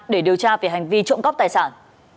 để điều tra về hành vi trộm cắp tài sản